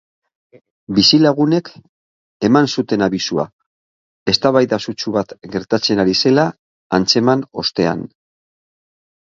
Bizilagunek eman zuten abisua, eztabaida sutsu bat gertatzen ari zela antzeman ostean.